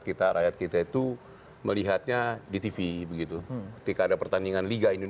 kita pak nyala harus rapat dulu